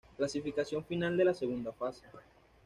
Clasificación final de la segunda fase.